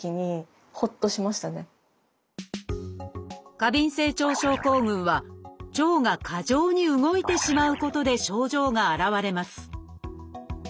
過敏性腸症候群は腸が過剰に動いてしまうことで症状が現れます。